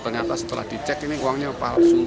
ternyata setelah dicek ini uangnya palsu